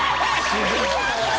すごいな。